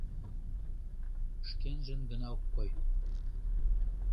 Шкенжын гына ок кой.